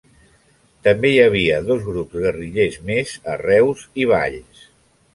També hi havia dos grups guerrillers més a Reus i Valls.